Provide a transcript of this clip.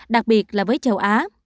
đặc biệt là với châu á